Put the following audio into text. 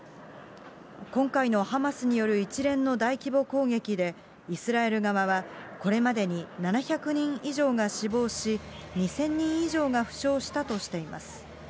今回のハマスによる一連の大規模攻撃で、イスラエル側はこれまでに７００人以上が死亡し、２０００人以上が負傷したとしています。